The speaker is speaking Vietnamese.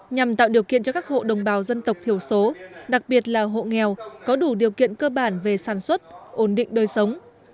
nhằm tạo điều kiện cho các hộ đồng bào dân tộc thiểu số đặc biệt là hộ nghèo có đủ điều kiện cơ bản về sản xuất ổn định đời sống